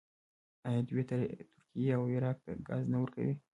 آیا دوی ترکیې او عراق ته ګاز نه ورکوي؟